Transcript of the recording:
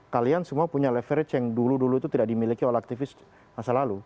kalian semua punya leverage yang dulu dulu itu tidak dimiliki oleh aktivis masa lalu